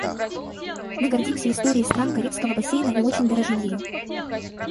Мы гордимся историей стран Карибского бассейна и очень дорожим ею.